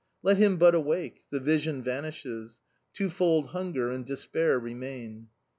Let him but awake: the vision vanishes twofold hunger and despair remain!